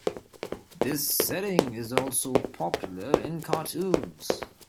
This setting is also popular in cartoons.